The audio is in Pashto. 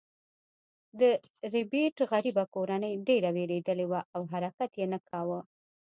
د ربیټ غریبه کورنۍ ډیره ویریدلې وه او حرکت یې نه کاوه